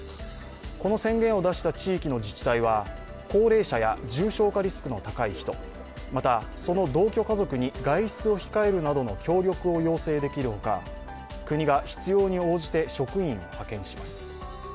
この宣言を出した地域の自治体は高齢者や重症化リスクの高い人、またその同居家族に外出を控えるなどの協力を要請できるほか国が必要に応じて職員を派遣します。